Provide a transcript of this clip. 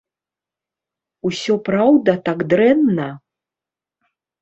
Усё праўда так дрэнна?